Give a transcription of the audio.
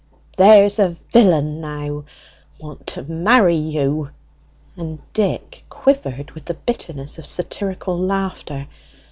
'" "There's a villain now! Want to marry you!" And Dick quivered with the bitterness of satirical laughter.